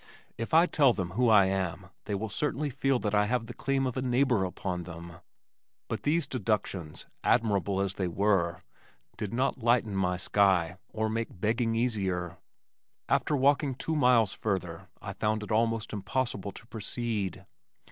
If I tell them who I am, they will certainly feel that I have the claim of a neighbor upon them." But these deductions, admirable as they were, did not lighten my sky or make begging easier. After walking two miles further I found it almost impossible to proceed.